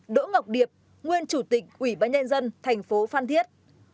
ba đỗ ngọc điệp nguyên chủ tịch ủy bãi nhân dân thành phố phan thiết